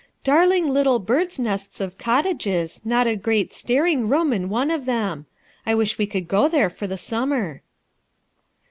Dar ling little bird's nests of cottages, not a great staring room in one of them. I wish we could go there for the summer."